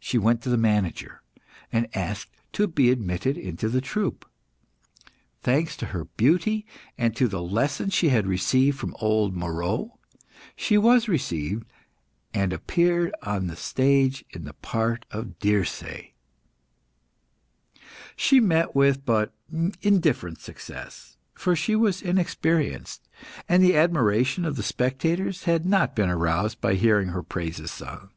She went to the manager, and asked to be admitted into the troupe. Thanks to her beauty, and to the lessons she had received from old Moeroe, she was received, and appeared on the stage in the part of Dirce. She met with but indifferent success, for she was inexperienced, and the admiration of the spectators had not been aroused by hearing her praises sung.